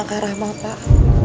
terima kasih banyak pak